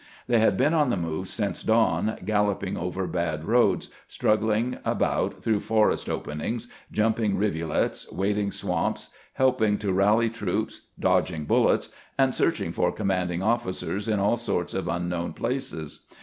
They had been on the move since dawn, galloping over bad roads, struggling about through forest openings, jumping rivulets, wading swamps, helping to rally troops, dodging bullets, and searching for commanding officers in aU sorts of unknown places.